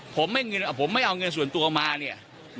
ผมไม่เอาเงินส่วนตัวมาเนี่ย